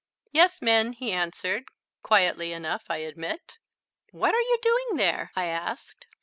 "Yes, Minn," he answered, quietly enough, I admit. "What are you doing there?" I asked.